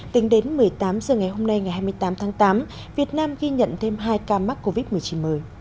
tính đến một mươi tám h ngày hôm nay ngày hai mươi tám tháng tám việt nam ghi nhận thêm hai ca mắc covid một mươi chín mới